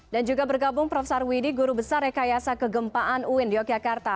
dan juga bergabung prof sarwidi guru besar rekayasa kegempaan uin di yogyakarta